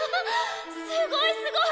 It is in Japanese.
すごいすごい！